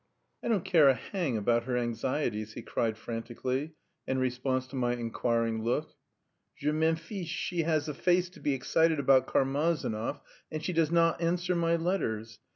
"I don't care a hang about her anxieties," he cried frantically, in response to my inquiring look. "Je m'en fiche! She has the face to be excited about Karmazinov, and she does not answer my letters.